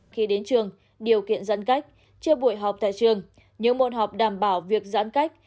khi đến trường điều kiện giãn cách chưa buổi họp tại trường những môn học đảm bảo việc giãn cách